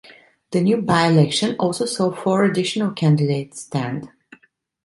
The new by-election also saw four additional candidates stand.